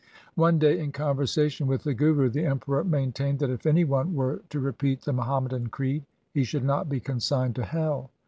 One day in conversation with the Guru the Emperor maintained that if any one were to repeat the Muhammadan creed, he should not be consigned to hell.